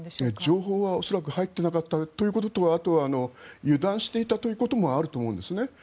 情報は恐らく入ってなかったということとあとは油断していたということもあると思うんです。